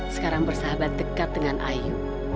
sekarang bersahabat dekat dengan ayu